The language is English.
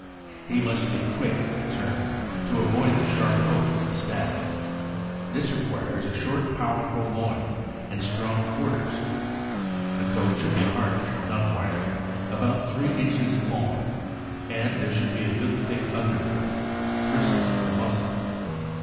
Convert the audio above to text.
He must be quick at a turn, to avoid the sharp hoof of the stag. This requires a short, powerful loin and strong quarters. The ooat should be harsh, not wiry, about three inches long; and there should be a good thick under coat, bristly at the muzzle.